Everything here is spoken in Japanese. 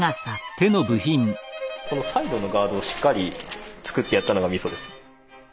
このサイドのガイドをしっかり作ってやったのがみそです。